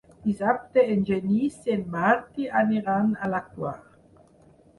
Dissabte en Genís i en Martí aniran a la Quar.